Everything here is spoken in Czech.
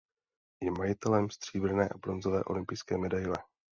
Je majitelem stříbrné a bronzové olympijské medaile.